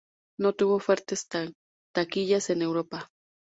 No tuvo fuertes taquillas en Europa.